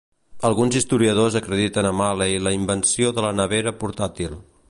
Alguns historiadors acrediten a Malley la invenció de la nevera portàtil.